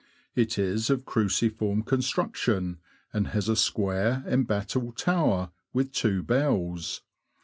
It is of cruciform construction, and has a square, embattled tower, with two bells.